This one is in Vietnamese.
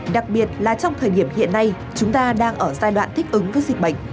đặc biệt là trong thời điểm hiện nay chúng ta đang ở giai đoạn thích ứng với dịch bệnh